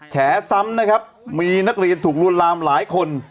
แฉซ้ำนะครับมีนักเรียนถูกลวนลามหลายคน